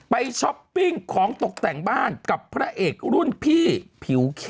ช้อปปิ้งของตกแต่งบ้านกับพระเอกรุ่นพี่ผิวเข้ม